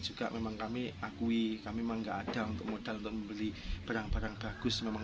juga memang kami akui kami memang enggak ada untuk modal untuk membeli barang barang bagus memang